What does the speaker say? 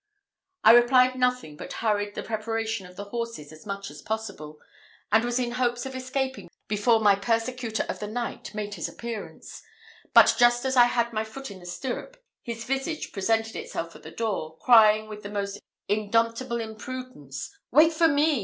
I replied nothing, but hurried the preparation of the horses as much as possible, and was in hopes of escaping before my persecutor of the night made his appearance; but just as I had my foot in the stirrup, his visage presented itself at the door, crying with the most indomptible impudence, "Wait for me!